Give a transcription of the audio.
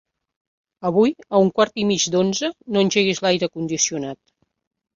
Avui a un quart i mig d'onze no engeguis l'aire condicionat.